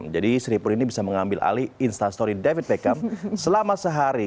jadi seripun ini bisa mengambil alih instastory david beckham selama sehari